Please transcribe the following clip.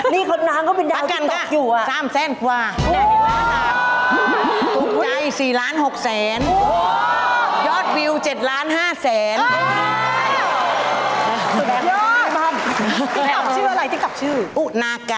นี่คนทานเขาเป็นเดลที่ตกอยู่อ่ะ